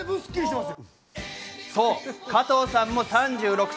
加藤さんも３６歳。